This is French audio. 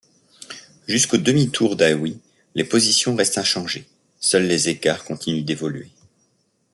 Jusqu'au demi-tour d'Hawi, les positions restent inchangées, seuls les écarts continuent d'évoluer.